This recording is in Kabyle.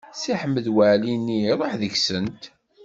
Si Ḥmed Waɛli-nni iruḥ deg-sent.